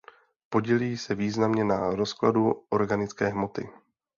Podílejí se významně na rozkladu organické hmoty.